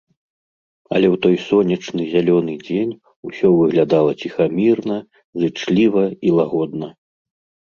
Але ў той сонечны зялёны дзень усё выглядала ціхамірна, зычліва і лагодна.